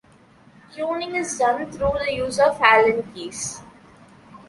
Tuning is done through the use of Allen keys.